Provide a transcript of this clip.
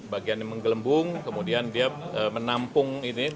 bagian yang menggelembung kemudian dia menampung ini